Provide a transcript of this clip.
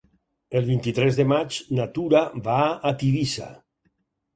El vint-i-tres de maig na Tura va a Tivissa.